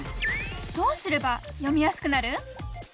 どうすれば読みやすくなる？